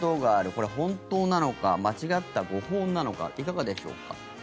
これは本当なのか間違った誤報なのかいかがでしょうか。